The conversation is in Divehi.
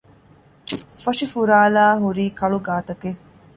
ފޮށި ފުރާލާ ހުރީ ކަޅު ގާތަކެއް